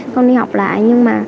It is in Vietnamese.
con đi học lại